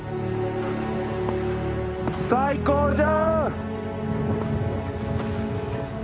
最高じゃ！